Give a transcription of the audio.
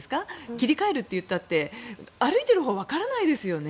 切り替えるといったって歩いているほうはわからないですよね。